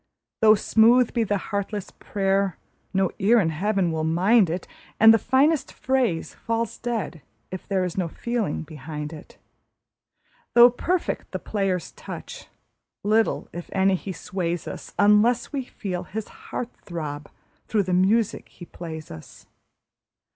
Though smooth be the heartless prayer, no ear in Heaven will mind it, And the finest phrase falls dead if there is no feeling behind it. Though perfect the player's touch, little, if any, he sways us, Unless we feel his heart throb through the music he plays us.